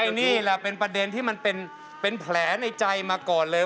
นี่แหละเป็นประเด็นที่มันเป็นแผลในใจมาก่อนเลย